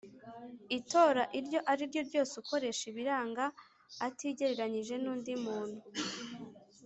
Itora iryo ari ryo ryose ukoresha ibiranga atigereranyije n undi muntu